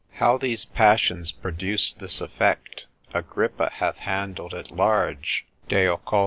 How these passions produce this effect, Agrippa hath handled at large, Occult.